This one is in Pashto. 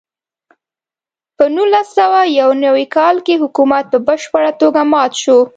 په نولس سوه یو نوي کال کې حکومت په بشپړه توګه مات شو.